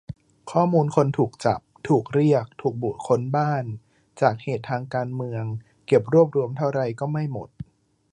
ข้อมูลคนถูกจับ ถูกเรียก ถูกบุกค้นบ้าน จากเหตุทางการเมือง เก็บรวบรวมเท่าไรก็ไม่หมด